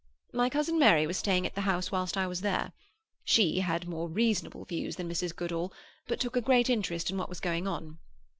My cousin Mary was staying at the house whilst I was there. She had more reasonable views than Mrs. Goodall, but took a great interest in what was going on.